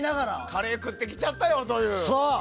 カレー食ってきちゃったよという。